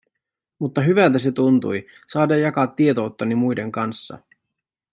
Mutta hyvältä se tuntui, saada jakaa tietouttani muiden kanssa.